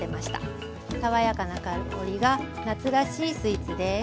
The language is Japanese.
爽やかな香りが夏らしいスイーツです。